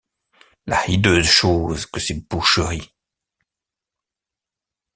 La hideuse chose que ces boucheries !